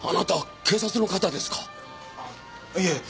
いえ。